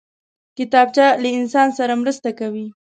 کتابچه له انسان سره خبرې کوي